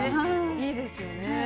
いいですよね。